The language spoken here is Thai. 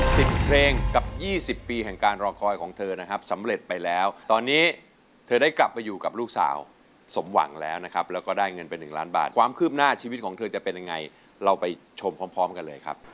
สิบเพลงกับยี่สิบปีแห่งการรอคอยของเธอนะครับสำเร็จไปแล้วตอนนี้เธอได้กลับไปอยู่กับลูกสาวสมหวังแล้วนะครับแล้วก็ได้เงินไปหนึ่งล้านบาทความคืบหน้าชีวิตของเธอจะเป็นยังไงเราไปชมพร้อมพร้อมกันเลยครับ